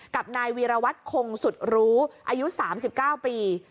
กับนายวีรวัตคงสุดรู้อายุสามสิบเก้าปี